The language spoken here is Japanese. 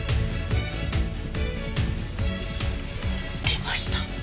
出ました。